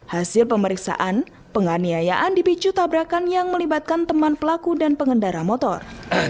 hasil pemeriksaan penganiayaan dipicu tabrakan yang melibatkan teman pelaku dan pengendara motor